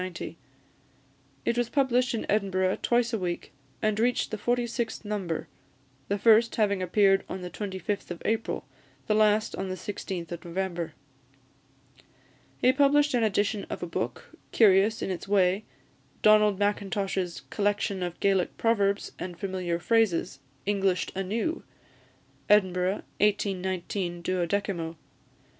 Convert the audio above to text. It was published in Edinburgh twice a week, and reached the forty sixth number; the first having appeared on the 25th of April, the last on the 16th of November. He published an edition of a book, curious in its way Donald Mackintosh's "Collection of Gaelic Proverbs, and Familiar Phrases; Englished anew!" Edinburgh, 1819, 12mo.